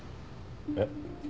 えっ？